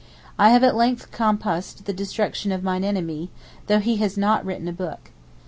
I have at length compassed the destruction of mine enemy, though he has not written a book.